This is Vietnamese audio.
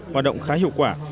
hoạt động khá hiệu quả